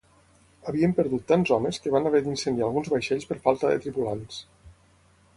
Havien perdut tants homes que van haver d'incendiar alguns vaixells per falta de tripulants.